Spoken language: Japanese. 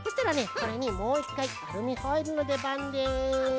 これにもういっかいアルミホイルのでばんです。